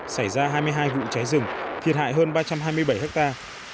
xảy ra hai mươi hai vụ cháy rừng thiệt hại hơn ba trăm hai mươi bảy hectare